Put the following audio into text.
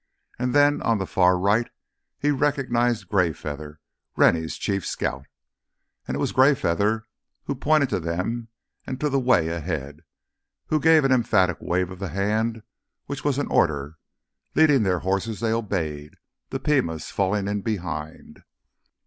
And then on the far right he recognized Greyfeather, Rennie's chief scout. And it was Greyfeather who pointed to them and to the way ahead, who gave an emphatic wave of the hand which was an order. Leading their horses, they obeyed, the Pimas falling in behind.